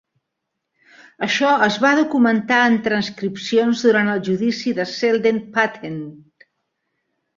Això es va documentar en transcripcions durant el judici de Selden Patent.